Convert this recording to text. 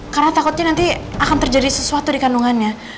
karena takutnya nanti akan terjadi sesuatu di kandungannya